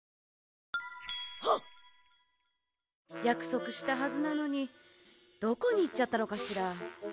やくそくしたはずなのにどこにいっちゃったのかしら？